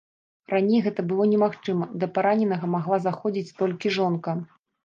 Раней гэта было немагчыма, да параненага магла заходзіць толькі жонка.